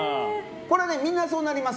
これみんなそうなります。